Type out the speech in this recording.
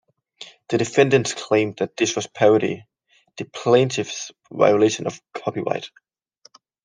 The defendants claimed that this was parody; the plaintiffs, violation of copyright.